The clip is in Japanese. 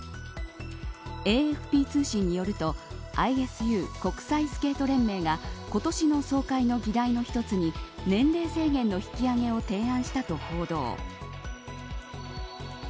ＡＦＰ通信によるとＩＳＵ国際スケート連盟が今年の総会の議題の一つに年齢制限の引き上げを提案したと報道。